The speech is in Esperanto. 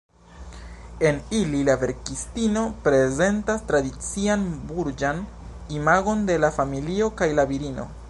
En ili la verkistino prezentas tradician burĝan imagon de la familio kaj la virino.